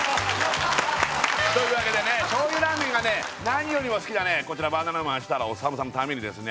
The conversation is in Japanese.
というわけでね醤油ラーメンが何よりも好きなねこちらバナナマン設楽統さんのためにですね